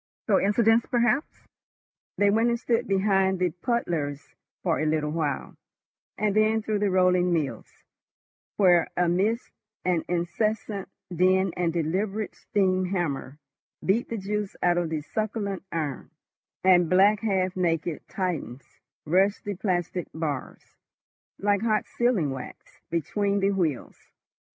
Coincidence, perhaps? They went and stood behind the puddlers for a little while, and then through the rolling mills, where amidst an incessant din the deliberate steam hammer beat the juice out of the succulent iron, and black, half naked Titans rushed the plastic bars, like hot sealing wax, between the wheels.